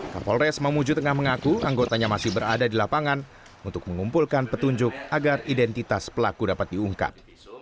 kapolres mamuju tengah mengaku anggotanya masih berada di lapangan untuk mengumpulkan petunjuk agar identitas pelaku dapat diungkap